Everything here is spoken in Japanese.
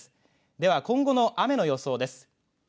では、今後の雨の予想です。